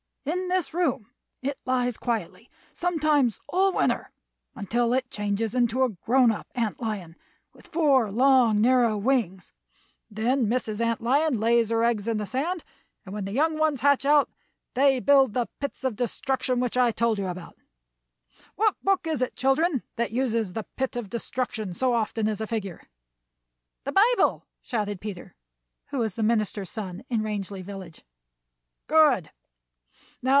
In this room it lies quietly, sometimes all winter, until it changes into a grown up ant lion with four long, narrow wings. Then Mrs. Ant Lion lays her eggs in the sand, and when the young ones hatch out they build the 'pits of destruction' which I told you about. What book is it, children, that uses the 'pit of destruction' so often as a figure?" "The Bible!" shouted Peter, who was the minister's son in Rangeley Village. "Good!